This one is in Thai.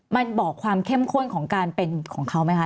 มันบอกความเข้มข้นของการเป็นของเขาไหมคะ